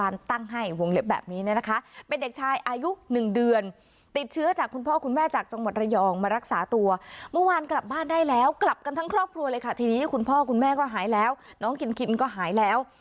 เลยค่ะทีนี้คุณพ่อคุณแม่ก็หายแล้วน้องขิ้นขิ้นก็หายแล้ว